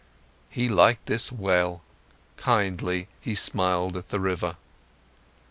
He liked this well, kindly he smiled at the river.